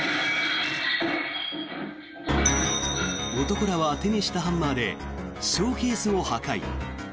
男らは手にしたハンマーでショーケースを破壊。